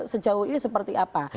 sejauh ini seperti apa